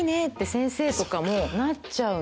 先生とかもなっちゃう。